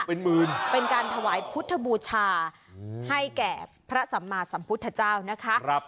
เป็นหมื่นเป็นการถวายพุทธบูชาให้แก่พระสัมมาสัมพุทธเจ้านะคะ